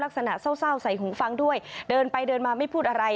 เศร้าใส่หูฟังด้วยเดินไปเดินมาไม่พูดอะไร